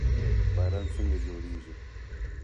باران څنګه جوړیږي؟